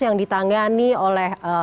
yang ditangani oleh